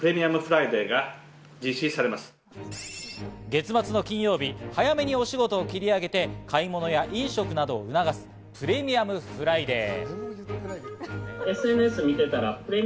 月末の金曜日、早めにお仕事を切り上げて買い物や飲食などを促すプレミアムフライデー。